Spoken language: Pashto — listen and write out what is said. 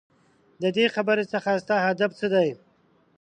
ددې خبرې څخه ستا هدف څه دی ؟؟